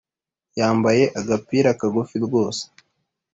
Yambaye agapira kagufi rwose